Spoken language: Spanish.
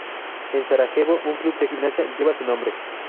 En Sarajevo un club de gimnasia lleva su nombre.